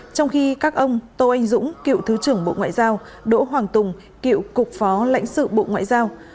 trong khi các ông tô anh dũng cựu thứ trưởng bộ ngoại giao đỗ hoàng tùng cựu cục phó lãnh sự bộ ngoại giao